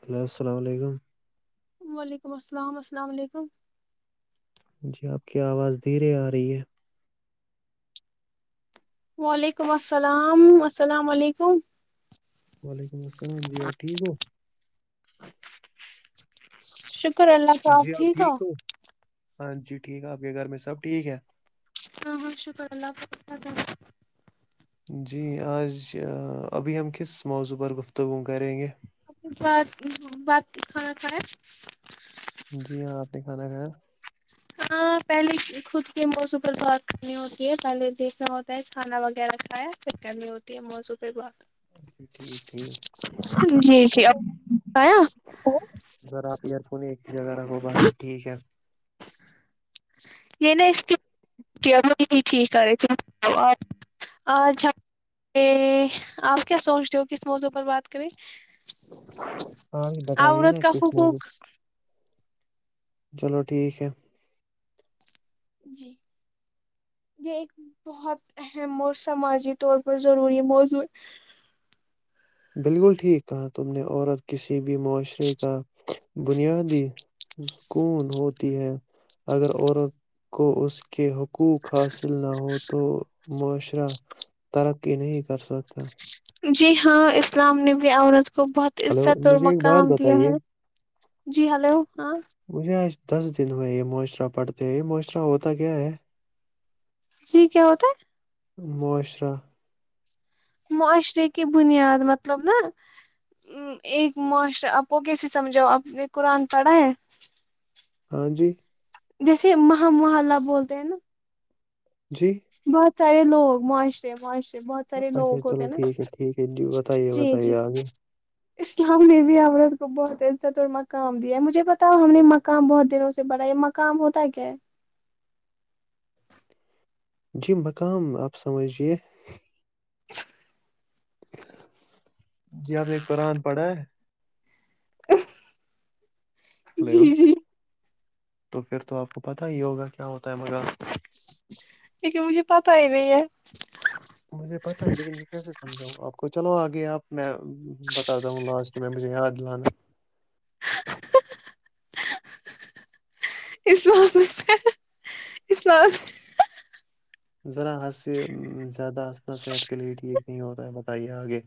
hello السلام و علیکم وعلیکم السلام السلام و علیکم جی آپ کی آواز دھیرے آ رہی ہے وعلیکم السلام السلام علیکم وعلیکم السلام جی آپ ٹھیک ہو شکر اللہ کا جی آپ آپٹھیک ہے ٹھیک ہو ہاں جی ٹھیک ہے آپ کے گھر میں سب ٹھیک ہے ہاں ہاں بہت شکر اللہ کا جی آج ابھی ہم کس موضوع پر گفتگو کریں گے آبات بات کھانا کھیں جی ہاں آپ نے کھانا کھایا ہاں پہلے خود کے موضوع پر بات کرنی ہوتی ہے پہلے دیکھنا ہوتا ہے کھانا وغیرہ کھایا پھر کرنی ہوتی ہے موضوع پہ بات [inaudible] ایک جی جی آپ کھایا جگہ ٹھیک ہے یہ نا اس کے ی ٹھیک کر رہے ت آپ آج ہم آپ کیا سوچ رہے ہو کس موضوع پر بات کریں ہاں جی، بتائیے عورت نا کا کس موضوع حقوق چلو ٹھیک ہے جی یہ ایک بہت اہم اور سماجی طور پر ضروری موضوع بالکل ٹھیک کہا تم نے عورت کسی بھی معاشرے کا بنیادی سکون ہوتی ہے اگر عورت کو اس کے حقوق حاصل نہ ہو تو معاشرہ ترقی نہیں کر سکتا جی ہاں اسلام نے بھی عورت کو بہت ہلو عزت اور مجھے ایک بات مقام دیا بتائیے ہے جی ہلو ہاں مجھے آج دس دن میں یہ معاشرہ پڑھتے یہ معاشرہ ہوتا کیا ہے جی کیا ہوتے معاشرہ معاشرے کی بنیاد مطلب نا ایک معاشرہ آپ کو کیسے سمجھاؤ آپ نے قرآن پڑھا ہے ہاں جی جیسے محم مح اللہ بولتے ہیں نا جی سےاہے لوگ معاشرے معاشرے بہت سارے اچھا لوگ ہوتے چلو ہیں نا ٹھیک ہے ٹھیک ہے بتائیے جی جی بتائیے آگے اسلام نے بھی عرت کو بہت عزت اور مقام دیا ہے مجھے بتاؤ ہم نے مقام بہت دنوں سے بڑھایا ہے مقام ہوتا کیا ہے جی مقام آپ سمجھیے [inaudible] جی آپ ایک قرآن پڑھا ہے ا جی ہلو جی تو پھر تو آپ کو پتا ہی یوگا کیا ہوتا ہے مگرا لیکے مجھے پتا ہی نہیں ہے مجھے پتا ہے لیکن میں کیسے سمجھاؤں آپ کو چل آگے گیا میں بتا د ہوں لاسٹ میں مجھے یاد لان اسلام اسلام ذرا ح یہ زیادہ آ ن صحت کے لیے ٹھیک نہیں ہوتا ہے بتائیے آگے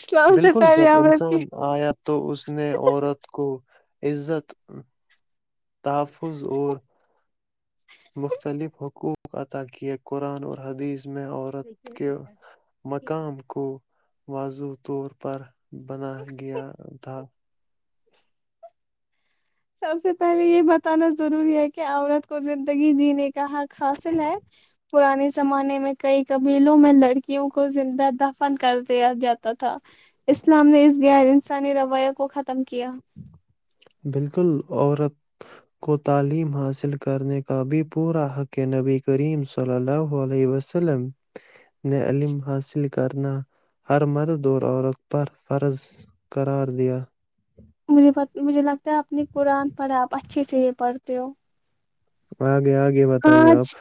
اسلام سے بالکل پہلے جب عورت کی انسان آیا تو اس نے عورت کو عزت تف پوض اورور مختلف حقوق عطا کیے قرآن اور حدیث ج میں عورت کے مقام کو وضو طور پر بنا گیا تھا سب سے پہلے یہ بتانا ضروری ہے کہ عورت کو زندگی جینے کے کہ حق حاصل ہے پرانے زمانے میں کئی قبیلوں میں لڑکیوں کو زندہ دفن کر دیا جاتا تھا اسلام نے اس غیر انسانی رویہ کو ختم کیا بالکل عورت کو تعلیم حاصل کرنے کا بھی پورا حق ہے نبی کریم صلی اللہ علیہ وسلم نے علیم حاصل کرنا ہر مرد اور عورت پر فرض قرار دیا مجھے پ مجھے لگتا اپنی قرآن پڑے آپھ اچھے سے یہ پڑھتے ہو اور گ آگے بتائیے آپ آج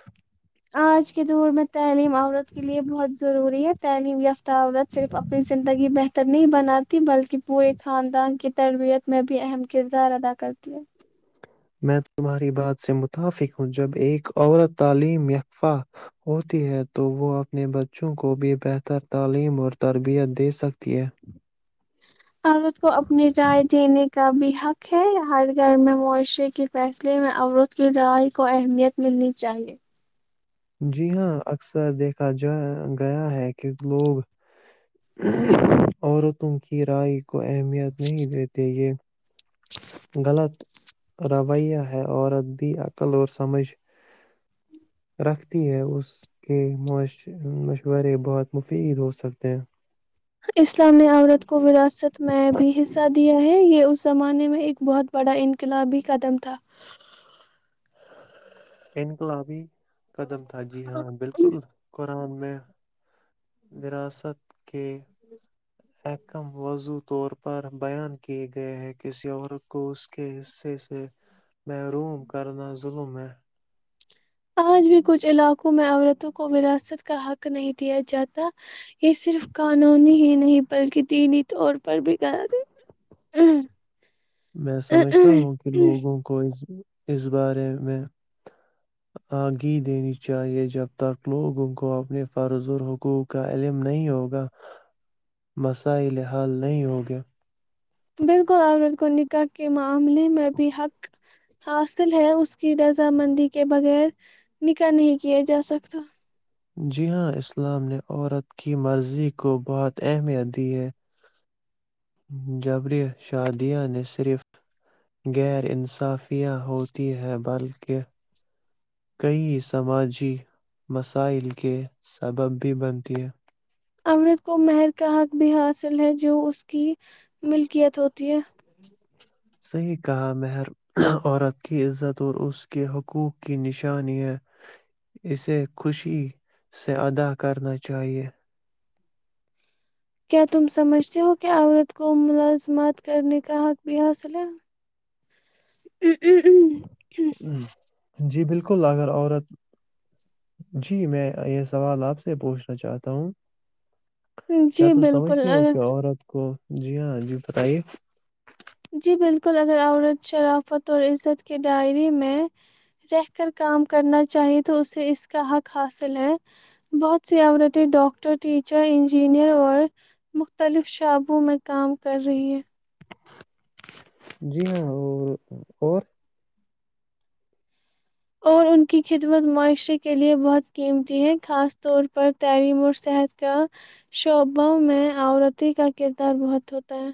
آج کے دور میں تعلیم عورت کے لیے بہت ضروری ہے تعلیم یاف عورت صرف اپنی زندگی بہتر نہیں بنا بل کہ پورے خاندان کے تربیت میں بھی اہم کردار ادا کرتی ہے میں تمہاری بات سے متفق ہوں جب ایک عورت تعلیم قفہ ہوتی ہے تو وہ اپنے بچوں کو بھی بہتر تعلیم اور تربیت دے سکتی ہے عورت کو اپنی رائے دینے کا بھی حق ہے ہر گھر میں معاشرے کے فیصلے میں عورت کی رائے کو اہمیت ملنی چاہیے جی ہاں اکثر دیکھا جا گیا ہے کہ لوگ عورتوں کی رائے کو اہمیت نہیں دیتے یہ غلط رویہ ہے عورت بھی عقل اور سمجھ رکھتی ہے اس کے مشورے بہت مفید ہو سکتے ہیں اسلامی عورت کو وراثت میں بھی حصہ دیا ہے یہ اس اس زمانے میں ایک بہت بڑا انقلابی قدم تھا انقلابی قدم تھا جی ہاں بالکل ن میں وراثت کے اییکم وضوود طور پر بیان کیے گئے ہیں کسی عورت کو اس کے حصے سے محروم کرنا ظلم ہے آج بھی کچھ علاقوں میں عورتوں کو وراثت کا حق نہیں دیا جاتا یہ صرف قانونی ہی نہیں بلکہ دینی طور پر بھی میں سمجھتا ہوں کہ لوگوں کو اس اس بارے میں آگی دینی چاہیے جب تک لوگوں کو اپنے فرض اور حقوق کا علم نہیں ہوگا مسائل حل نہیں ہوگے بالکل عورت کو نکاح کے معاملے میں بھی حق حاصل ہے اس کی دضہامندی کے بغیر نکاح نہیں کیا جاسکتا جی ہاں اسلام نے عورت کی مرضی کو بہت اہمیت دی ہے جبری شادیہ نے صرف غیرانصافی پیاں ہوتی ہے بلک کہ کئی سماجی مسائل کے سبب بھی بنتی ہیں امرت کو مہر کا حق بھی حاصل ہے جو اس کی ملکیت ہوتی ہے صحیح کہا مہر عورت کی عزت اور اس کے حقوق کی نشانی ہے اسے خوشی سے ادا کرنا چاہیے کیا تم سمجھتے ہو کہ عورت کو ملازمت کرنے کا حق بھی حاصل ہے ہوں جی بالکل اگر عورت جی میں یہ سوال آپ سے پوچھنا چاہتا ہوں جی کیا تم بالکل سمجھتی ہو اگر کہ عورت کو جی ہاں جی بتائیے جی بالکل اگر عورت شرافت اور عزت کے ڈائری میں رہ کر کام کرنا چاہیئے تو اسے اس کا حق حاصل ہے بہت سی عورتیں ڈاکٹر ٹیچر انجینئر اور مختلف شعبوں میں کام کر رہی ہیں جی ہاں اور اور اور ان کی خدمت معاشرے کے لیئے بہت قیمتی ہے خاص طور پر تعلیم اور صحت کا شعبوں میں عورتی کا کردار بہت ہوتا ہے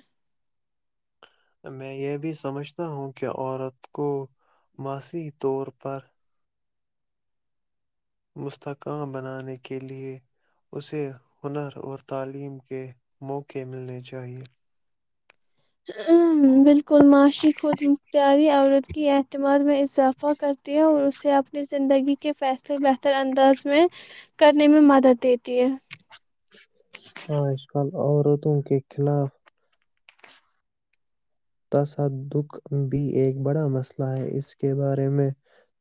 میں یہ بھی سمجھتا ہوں کہ عورت کو معاشی طور پر مستقام بنانے کےلئے اسے ہنر اور تعلیم کے موقع ملنے چاہیئے ہ بالکل معاشی خود مختتیاری عورت کی اعتماد میں اضافہ کر ہیں اور اسے اپنے زندگی کے فیصلے بہتر انداز میں کرنے میں مدد دیتی ہے ہج کل عورتوں کے خلاف تصادق بھی ایک بڑا مسئلہ ہے اس کے بارے میں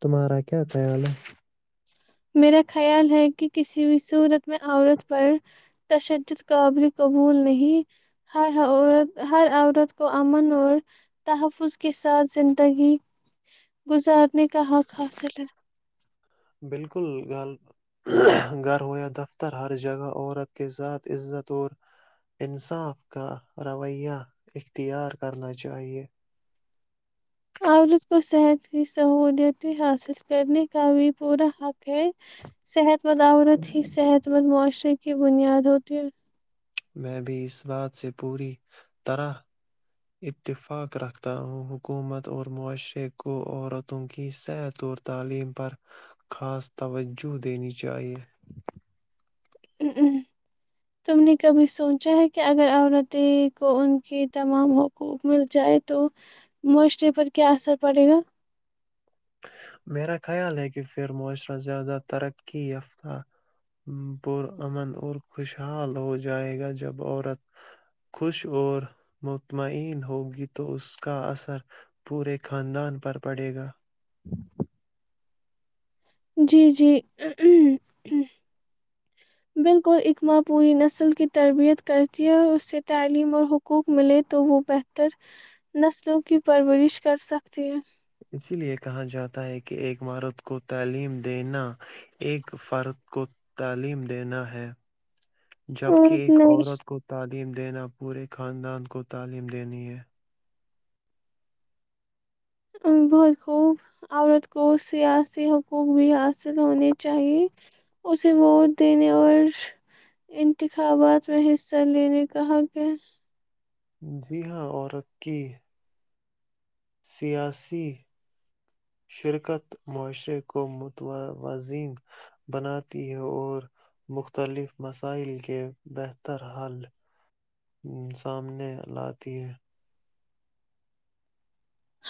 تمہارا کیا خیال ہے میرا خیال ہے کہ کسی بھی صورت میں عورت پر تشدد قابل قبول نہیں ہر ع ہر عورت کو امن اور تحفظ کے ساتھ زندگی گزار نہیں کہاں کھاصلے بالکل گھر گھر ہویا دفتر ہر جگہ عورت کے ساتھ عزت اور انصاف کا رویہ اختیار کرنا چاہیے عولد کو صحت کی سہولتیں حاصل کرنے کا بھی پورا حق ہے صحت اس مند عورت ہی صحت مند معاشرے کی بنیاد ہوتی ہے میں بھی اس بات سے پوری طرح اتفاق رکھتا ہوں حکومت اور معاشرے کو عورتوں کی صحت اور تعلیم پر خاص توجہ دینی چاہیے ا تم نے کبھی سوچا ہے کہ اگر عورتیں کو ان کے تمام حقوق مل جائے تو معاشرے پر کیا اثر پڑے گا میرا خیال ہے کہ پھر معاشرہ زیادہ ترقی یافتہ پر امن اور خوشحال ہو جائے گا جب عورت خوش اور مطمئن ہوگی تو اس کا اثر پورے خاندان پر پڑے گا [unintelligible] جی جی بالکل اکماں پوری نسل کی تربیت کرتی ہے اس سے تعلیم اور حقوق ملے تو وہ بہتر نسلوں کی پرورش کر سکتی ہے اسی لے کہا جاتا ہے کہ ایک عمارت کو تعلیم دینا ایک فارت کو تعلیم دینا ہے جبک اور ایک نئی عورت کو ت تعلیم دینا پورے خاندان کو تعلیم دینی ہے بہت خوب عورت کو سیاسی حقوق بھی حاصل ہونے چاہیے اسے ووٹ دینے اور انتخابات میں حصہ لینے کا کہ جی ہاں عورت کی سیاسی شرکت معاشرے کو متوازین بناتی ہے اور مختلف مسائل کے بہتر حل سامنے لاتی ہے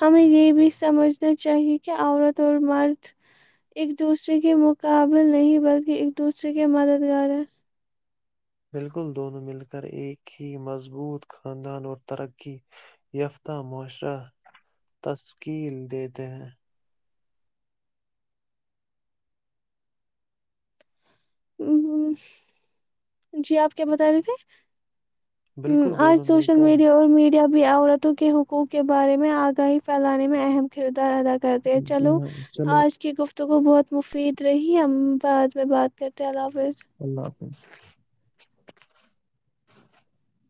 ہمیں یہ بھی سمجھنا چاہیے کہ عورت اور مرد ایک دوسرے کے مقابل نہیں بلکہ ایک دوسرے کے مددگار ہے بالکل دونوں مل کر ایک ہی مضبوط خاندان اور ترقی یافتہ معاشرہ تشکیل دیتے ہیں [unintelligible] جی آپ کیا بتا رہی تھے بالکل ہ آج دونوں مل سوشل کر میڈیا اور میڈ جب عورتوں کے حقوق کے بارے میں آگاہی پھیلانے میں اہم کد ادا کرتے ہیں جی چلو ہاں چلو آج کی گفت تو وہ بہت مفید رہی ہم بعد میں بات کرتے الپ فریز [unintelligible]